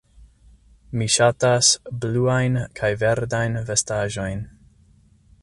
Mi ŝatas bluajn kaj verdajn vestaĵojn.